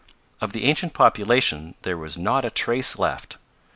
Of the ancient population there was not a trace left.